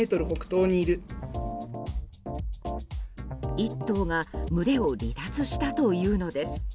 １頭が群れを離脱したというのです。